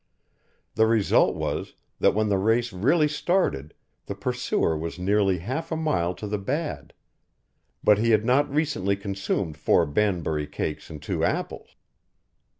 The result was, that when the race really started the pursuer was nearly half a mile to the bad. But he had not recently consumed four Banbury cakes and two apples.